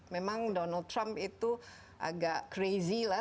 memang donald trump itu agak crazy lah